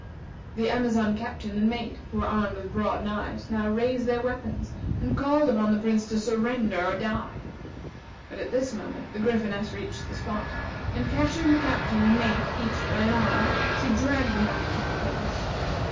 The Amazon Captain and mate, who were armed with broad knives, now raised their weapons, and called upon the Prince to surrender or die. But at this moment, the Gryphoness reached the spot, and catching the Captain and mate, each by an arm, she dragged them back from the Prince.